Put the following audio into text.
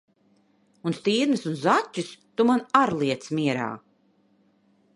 Un stirnas un zaķus tu man ar liec mierā!